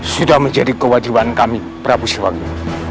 sudah menjadi kewajiban kami prabu suwangi